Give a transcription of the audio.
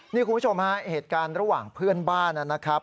นี่คุณผู้ชมฮะเหตุการณ์ระหว่างเพื่อนบ้านนะครับ